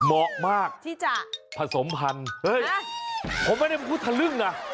เหมาะมากที่จะผสมพันธุ์เฮ้ยผมไม่ได้พูดทะลึ่งนะ